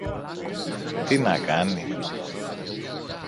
Τι να κάνει;